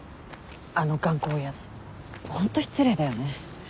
あの頑固親父ホント失礼だよね。